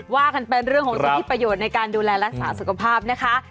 ว่ากันเป็นเรื่องของสิทธิประโยชน์ในการดูแลรักษาสุขภาพนะคะ